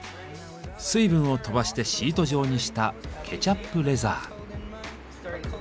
水分をとばしてシート状にしたケチャップレザー。